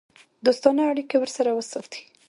دوستانه اړیکې ورسره وساتي.